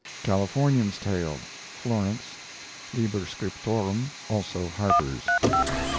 CALIFORNIAN'S TALE (Florence) Liber Scriptorum, also Harper's.